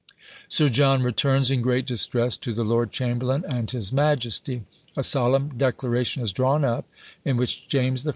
Sir John returns in great distress to the lord chamberlain and his majesty. A solemn declaration is drawn up, in which James I.